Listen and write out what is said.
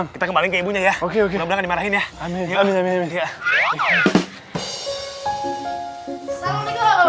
kita kembali ke ibunya ya oke oke udah dimarahin ya amin amin amin amin amin amin amin amin amin amin